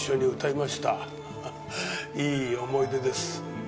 いい思い出です。